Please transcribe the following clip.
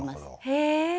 へえ。